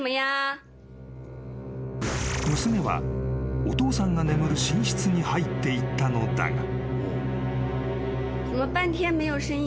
［娘はお父さんが眠る寝室に入っていったのだが］